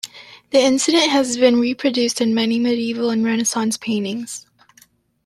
The incident has been reproduced in many medieval and Renaissance paintings.